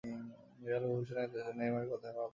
রিয়ালের ভবিষ্যৎ নেতা হিসেবে নেইমারের কথাই ভাবছেন তিনি।